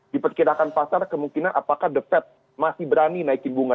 diperkirakan pasar kemungkinan apakah the fed masih berani naikin bunga